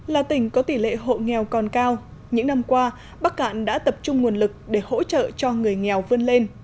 là tỉnh có tỷ lệ hộ nghèo còn cao những năm qua bắc cạn đã tập trung nguồn lực để hỗ trợ cho người nghèo vươn lên